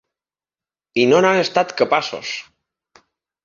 I no n’han estat capaços.